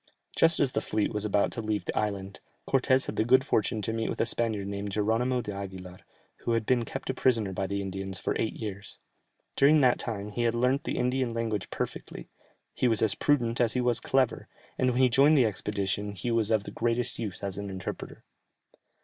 Just as the fleet was about to leave the island, Cortès had the good fortune to meet with a Spaniard named Jeronimo d'Aguilar, who had been kept a prisoner by the Indians for eight years. During that time he had learnt the Indian language perfectly; he was as prudent as he was clever, and when he joined the expedition he was of the greatest use as an interpreter.